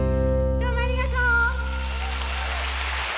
どうもありがとう。